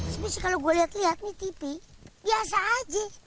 sebenarnya kalau gue lihat lihat nih tv biasa aja